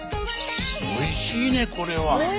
おいしいねこれは。